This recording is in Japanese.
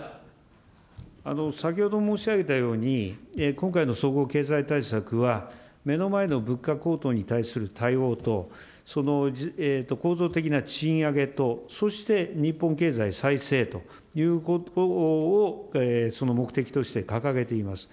先ほど申し上げたように、今回の総合経済対策は、目の前の物価高騰に対する対応と、その構造的な賃上げと、そして日本経済再生ということをその目的として掲げています。